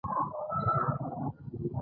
• ونه د ځمکې نرمښت ساتي.